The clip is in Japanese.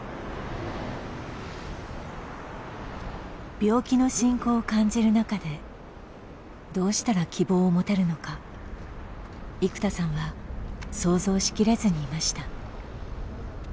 病気の進行を感じる中でどうしたら希望を持てるのか生田さんは想像しきれずにいました。